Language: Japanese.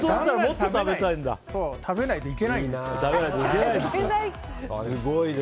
食べないといけないんですよ。